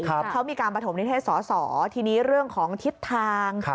เขามีการประถมนิเทศสอสอทีนี้เรื่องของทิศทาง